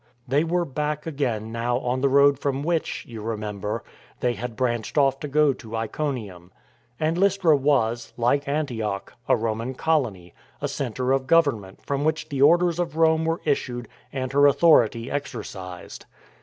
They were back again now on the road from which — you remember — they had branched off to go to Iconium. And Lystra was — like Antioch — a Roman Colony, a centre of government from which the orders of Rome were issued and her authority exercised.